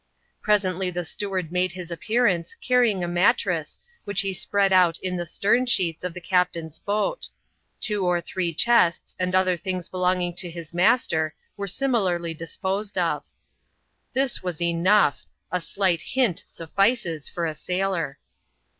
Presently the steward made his appearance, canning a mat tress, which he spread out in the stern sheets of the captain's boat ; two or three chests, and other things belonging to his master, were similarly disposed of. This was enough. A slight hint suffices for a sailor.